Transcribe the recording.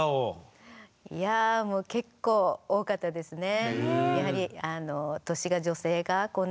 いや結構多かったですね。